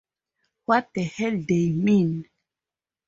What the hell d'ye mean?